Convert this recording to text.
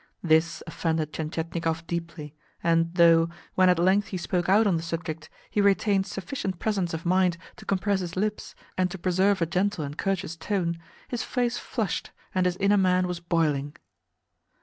This offended Tientietnikov deeply, and though, when at length he spoke out on the subject, he retained sufficient presence of mind to compress his lips, and to preserve a gentle and courteous tone, his face flushed and his inner man was boiling.